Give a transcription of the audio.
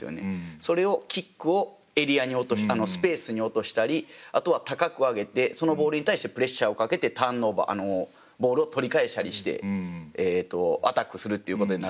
それをキックをエリアにスペースに落としたりあとは高く上げてそのボールに対してプレッシャーをかけてターンオーバーボールを取り返したりしてえっとアタックするっていうことになるので。